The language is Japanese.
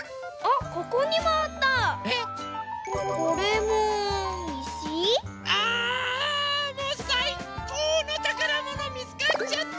もうさいこうのたからものみつかっちゃった！